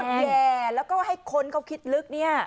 แย่แล้วก็ให้คนเขาคิดลึกเนี่ย